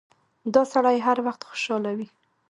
دا سړی هر وخت خوشاله وي.